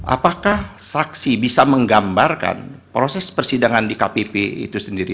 apakah saksi bisa menggambarkan proses persidangan di kpp itu sendiri